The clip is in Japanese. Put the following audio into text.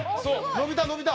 伸びた伸びた！